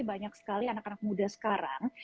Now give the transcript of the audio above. banyak sekali anak anak muda sekarang